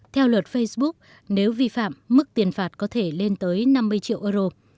theo luật facebook nếu vi phạm mức tiền phạt có thể lên tới năm mươi triệu euro